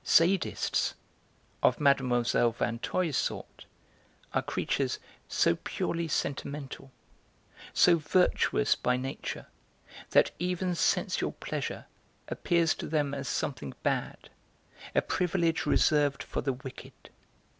'Sadists' of Mlle. Vinteuil's sort are creatures so purely sentimental, so virtuous by nature, that even sensual pleasure appears to them as something bad, a privilege reserved for the wicked.